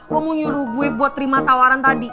kamu nyuruh gue buat terima tawaran tadi